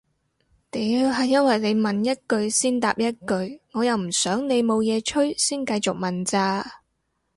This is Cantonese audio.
屌係因為你問一句先答一句我又唔想你冇嘢吹先繼續問咋